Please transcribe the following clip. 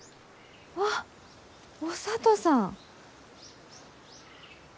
あっお聡さん。